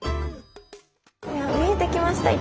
見えてきました。